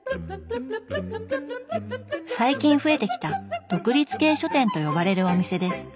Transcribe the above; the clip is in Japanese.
最近増えてきた「独立系書店」と呼ばれるお店です。